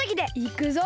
いくぞ！